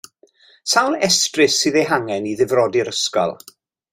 Sawl estrys sydd ei hangen i ddifrodi ysgol?